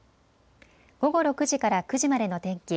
午後６時から９時までの天気。